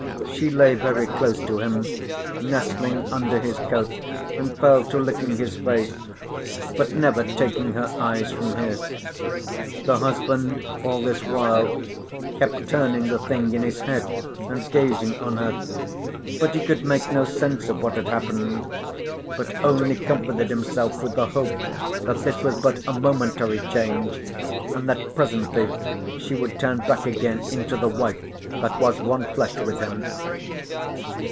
She lay very close to him, nestling under his coat and fell to licking his face, but never taking her eyes from his. The husband all this while kept turning the thing in his head and gazing on her, but he could make no sense of what had happened, but only comforted himself with the hope that this was but a momentary change, and that presently she would turn back again into the wife that was one flesh with him.